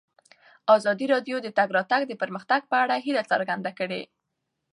ازادي راډیو د د تګ راتګ ازادي د پرمختګ په اړه هیله څرګنده کړې.